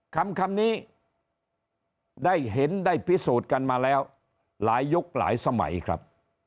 คำนี้ได้เห็นได้พิสูจน์กันมาแล้วหลายยุคหลายสมัยครับ